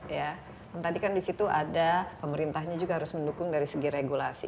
dan tadi kan di situ ada pemerintahnya juga harus mendukung dari segi regulasi